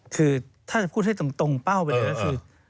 คือถ้าจะพูดให้ตรงเป้าไปเลยก็คือ